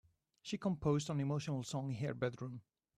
She composed an emotional song in her bedroom.